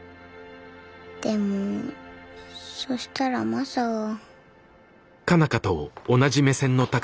でもそしたらマサが。